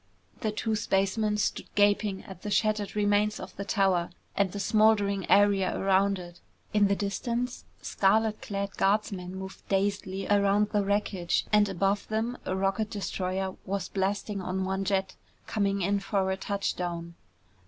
The two spacemen stood gaping at the shattered remains of the tower and the smoldering area around it. In the distance, scarlet clad guardsmen moved dazedly around the wreckage and above them a rocket destroyer was blasting on one jet, coming in for a touchdown.